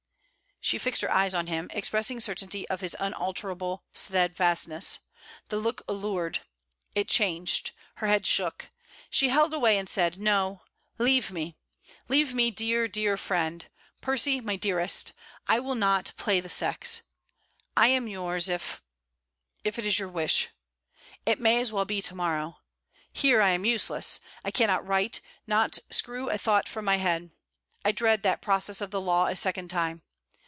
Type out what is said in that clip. She fixed her eyes on him, expressing certainty of his unalterable stedfastness. The look allured. It changed: her head shook. She held away and said: 'No, leave me; leave me, dear, dear friend. Percy, my dearest! I will not "play the sex." I am yours if... if it is your wish. It may as well be to morrow. Here I am useless; I cannot write, not screw a thought from my head. I dread that "process of the Law" a second time.